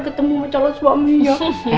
ketemu sama calon suaminya